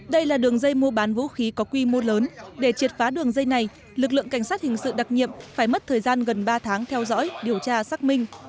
đây là đường dây mua bán vũ khí có quy mô lớn để triệt phá đường dây này lực lượng cảnh sát hình sự đặc nhiệm phải mất thời gian gần ba tháng theo dõi điều tra xác minh